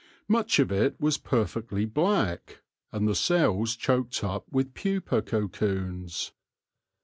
Much of it was perfectly black, and the cells choked up with pupa cocoons.